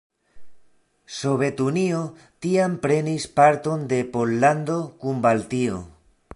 Sovetunio tiam prenis parton de Pollando kun Baltio.